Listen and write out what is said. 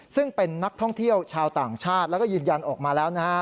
ซึ่งเป็นนักท่องเที่ยวชาวต่างชาติแล้วก็ยืนยันออกมาแล้วนะฮะ